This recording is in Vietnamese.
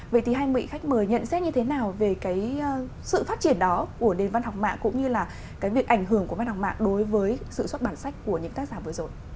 vậy thì hai vị khách mời nhận xét như thế nào về cái sự phát triển đó của nền văn học mạng cũng như là cái việc ảnh hưởng của văn học mạng đối với sự xuất bản sách của những tác giả vừa rồi